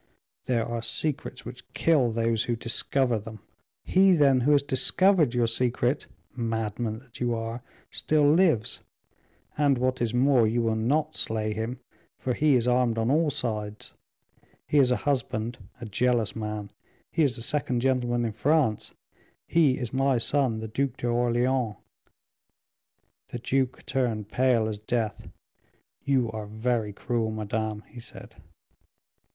"There are secrets which kill those who discover them." "He, then, who has discovered your secret, madman that you are, still lives; and, what is more, you will not slay him, for he is armed on all sides, he is a husband, a jealous man, he is the second gentleman in France, he is my son, the Duc du Orleans." The duke turned pale as death. "You are very cruel, madame," he said.